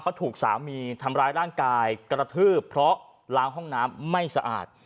เขาถูกสามีทำร้ายร่างกายกระทืบเพราะล้างห้องน้ำไม่สะอาด